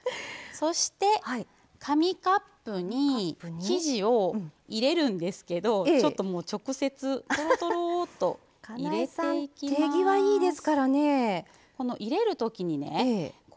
そして、紙カップに生地を入れるんですけどちょっと直接とろとろっと入れていきます。